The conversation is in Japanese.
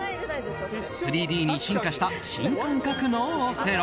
３Ｄに進化した新感覚のオセロ。